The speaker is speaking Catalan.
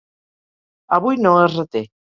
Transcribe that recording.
Avui no es reté.